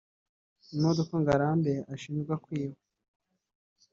Imodoka Ngarambe ashinjwa kwiba